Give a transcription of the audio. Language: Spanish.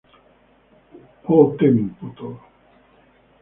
O tempo todo"".